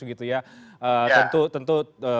begitu ya tentu tentu